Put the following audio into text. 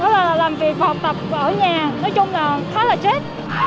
là làm việc học tập ở nhà nói chung là khá là chết